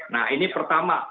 nah ini pertama